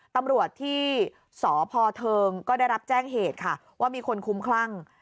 ตำรวจที่สพเทิงก็ได้รับแจ้งเหตุค่ะว่ามีคนคุ้มคลั่ง